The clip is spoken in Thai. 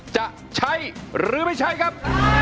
จะใช้หรือไม่ใช้ครับ